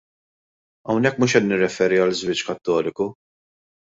Hawnhekk mhux qed nirreferi għal żwieġ Kattoliku.